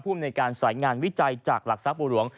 ผู้มีในการสายงานวิจัยจากหลักศัพท์บูรวง